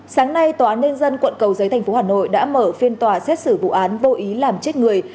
sáng nay tòa án nhân dân quận cầu giấy tp hà nội đã mở phiên tòa xét xử vụ án vô ý làm chết người